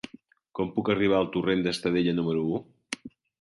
Com puc arribar al torrent d'Estadella número u?